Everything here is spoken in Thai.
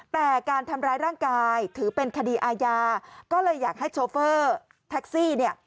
แต่การทำร้ายร่างกายถือเป็นคดีอาญาก็เลยอยากให้โชเฟอร์แท็กซี่เนี่ย